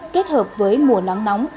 kết hợp với mùa nắng nóng